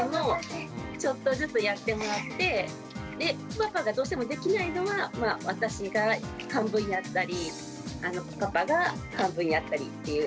パパがどうしてもできないのは私が半分やったりパパが半分やったりっていう。